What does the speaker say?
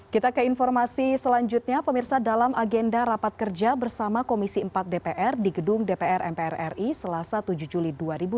kita ke informasi selanjutnya pemirsa dalam agenda rapat kerja bersama komisi empat dpr di gedung dpr mpr ri selasa tujuh juli dua ribu dua puluh